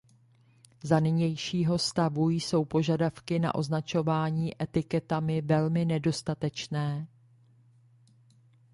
Za nynějšího stavu jsou požadavky na označování etiketami velmi nedostatečné.